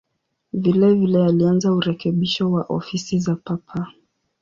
Vilevile alianza urekebisho wa ofisi za Papa.